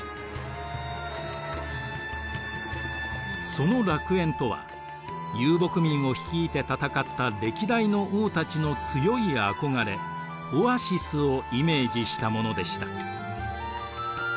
その楽園とは遊牧民を率いて戦った歴代の王たちの強い憧れオアシスをイメージしたものでした。